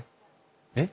えっ？